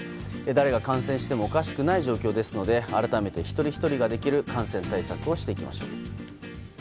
誰が感染してもおかしくない状況なので、改めて一人ひとりができる感染対策をしていきましょう。